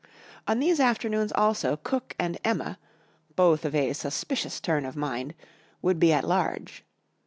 On these afternoons also Cook and Emma, both of a suspicious turn of mind, would be at large.